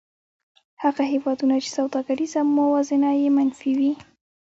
هغه هېوادونه چې سوداګریزه موازنه یې منفي وي